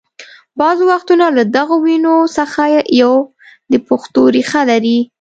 بعضې وختونه له دغو ويونو څخه یو د پښتو ریښه لري